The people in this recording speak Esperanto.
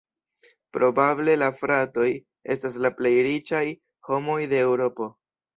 Probable la fratoj estas la plej riĉaj homoj de Eŭropo.